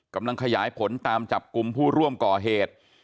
กำลังขยายผลตามจับกลุ่มผู้ร่วมก่อเหตุ